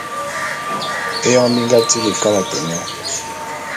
Éyoñ bi nga tili kalate nyô.